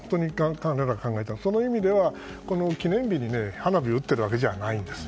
その意味では、記念日に花火を打ち上げているわけではないんです。